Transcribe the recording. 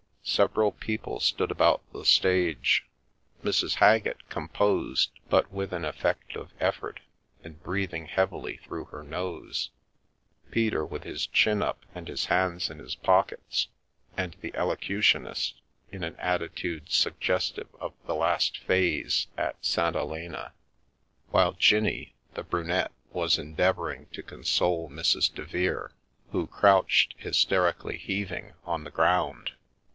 Several people stood about the stage: Mrs. Haggett, composed, but with an effect of effort, and breathing heavily through her nose ; Peter, with his chin up and his hands in his pockets, and the Elocutionist, in an attitude suggestive of the Last Phase at St. Helena; while Jinnie, the Brunette, was endeavouring to console Mrs. Devere, who crouched, hysterically heaving, on the ground.